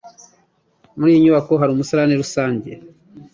Muri iyi nyubako hari umusarani rusange?